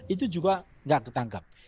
itu juga tidak ketangkap